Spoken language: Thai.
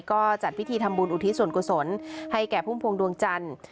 ก็จัดพิธีทำบุญอุทิศส่วนกุศลให้แก่พุ่มพวงดวงจันทร์